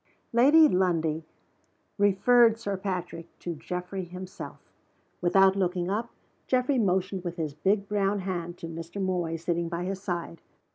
Lady Lundie referred Sir Patrick to Geoffrey himself. Without looking up, Geoffrey motioned with his big brown hand to Mr. Moy, sitting by his side.